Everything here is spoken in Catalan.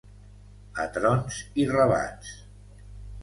A trons i rebats.